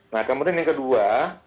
nah kemudian yang kedua